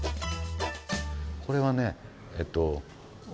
これはねえっと